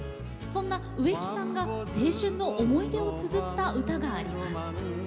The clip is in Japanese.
そんな植木さんが青春の思い出をつづった歌があります。